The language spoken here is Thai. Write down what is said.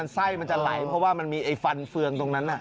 ไส้มันจะไหลเพราะว่ามันมีไอ้ฟันเฟืองตรงนั้น